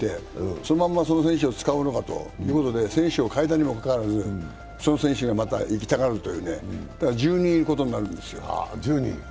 そのまんまその選手を使うのかということで選手を代えたにもかかわらずその選手がまた行きたがるというね、だから１０人いることになるんですよ。